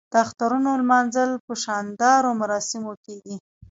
د اخترونو لمانځل په شاندارو مراسمو کیږي.